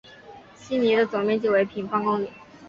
希尼的总面积为平方公里。